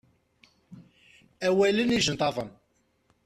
Awalen ijenṭaḍen.